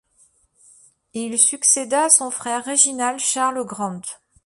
Il succéda à son frère Reginald Charles Grant.